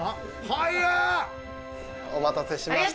速っ！お待たせしました。